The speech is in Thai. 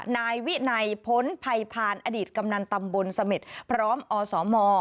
นายวินัยพ้นภัยพานอดีตกำนันตำบลเสม็ดพร้อมอสม